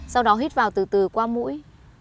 sau đó hít vào từ từ qua mũi